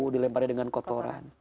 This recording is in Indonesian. dilempari dengan kotoran